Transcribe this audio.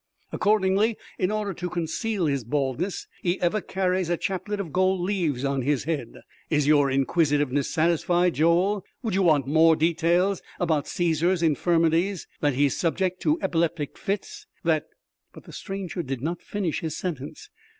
Accordingly, in order to conceal his baldness, he ever carries a chaplet of gold leaves on his head. Is your inquisitiveness satisfied, Joel? Would you want more details about Cæsar's infirmities? That he is subject to epileptic fits?... That " But the stranger did not finish his sentence.